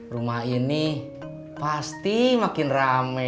rumah ini pasti makin rame